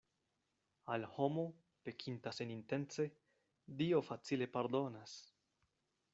Al homo, pekinta senintence, Dio facile pardonas.